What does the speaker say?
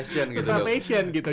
sesuai passion gitu